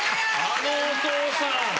あのお父さん。